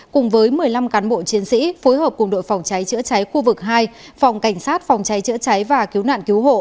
cùng với một mươi năm cán bộ chiến sĩ phối hợp cùng đội phòng cháy chữa cháy khu vực hai phòng cảnh sát phòng cháy chữa cháy và cứu nạn cứu hộ